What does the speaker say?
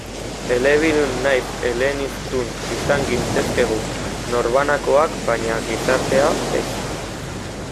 Elebidun nahiz eleaniztun izan gintezke gu, norbanakoak, baina gizartea, ez.